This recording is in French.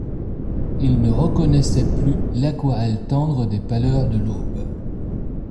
Il ne reconnaissait plus l’aquarelle tendre des pâleurs de l’aube.